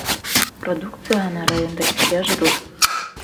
Продукцияһына районда ихтыяж ҙур.